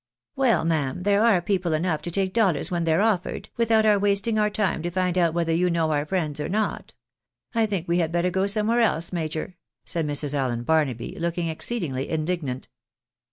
" Well, ma'am, there are people enough to take dollars when they're offered, without our wasting our time to find out whether you know our friends or not. I think we had better go somewhere else, major," said Mrs. Allen Barnaby, looking exceedingly indignant.